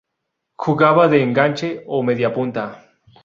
Jugaba de enganche o mediapunta.